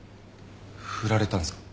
振られたんすか？